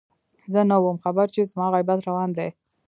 زه نه وم خبر چې زما غيبت روان دی